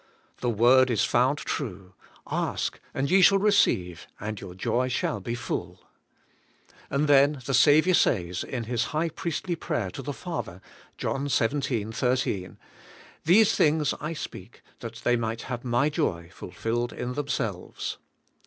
The word is found true: *Ask and ye shall receive, and your joy shall be full.' And then the Saviour says, in His high priestly prayer to the Father {Johii xvii. 18)^ ' Tliese things I speak ^ that they might have my ]oy fulfilled in themselves.'